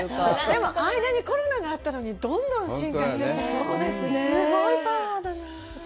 でも間にコロナがあったのにどんどん進化してて、すごいパワーだなあ。